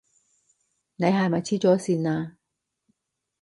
你係咪痴咗線呀？